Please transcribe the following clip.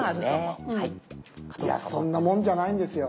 いやそんなもんじゃないんですよ